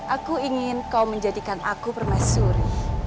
aku ingin kau menjadikan aku permaisuri